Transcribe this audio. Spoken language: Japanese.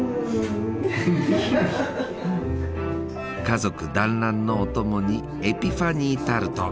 家族団らんのお供にエピファニータルト！